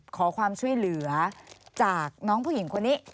ขอความช่วยเหลือจากน้องผู้หญิงคนนี้